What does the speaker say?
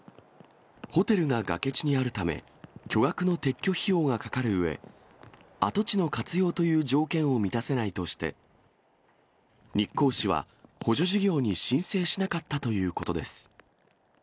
ホテルが崖地にあるため、巨額の撤去費用がかかるうえ、跡地の活用という条件を満たせないとして、日光市は補助事業に申請しなかったということです。